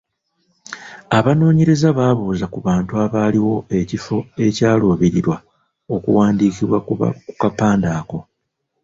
Abanoonyereza baabuuza ku bantu abaaliwo ekifo ekyaluubirirwa okuwandiikibwa ku kapande ako.